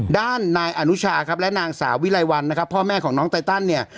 ด้านนายอนุชาครับและนางสาววิไลวันนะครับพ่อแม่ของน้องไตตันเนี่ย